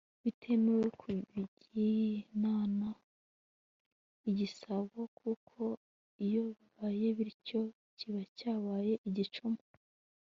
bitemewe kubyinana igisabo kuko iyo bibaye bityo kiba cyabaye igicuma